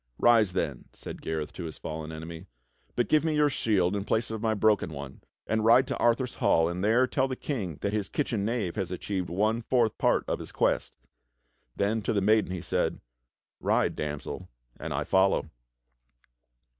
"Rise then," said Gareth to his fallen enemy, "but give me your shield in place of my broken one, and ride to Arthur's hall and there tell the King that his kitchen knave has achieved one fourth part of his quest." Then to the maiden he said, "Ride, Damsel, and I follow."